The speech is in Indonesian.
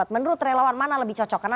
menurut relawan mana lebih cocok